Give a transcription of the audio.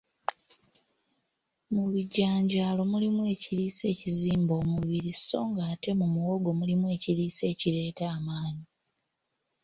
Mu bijanjaalo mulimu ekiriisa ekizimba omubirii sso nga ate mu muwogo mulimu ekiriisa ekireeta amaanyi.